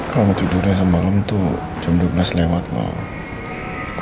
kamu tidurnya semalam tuh jam dua belas lewat pak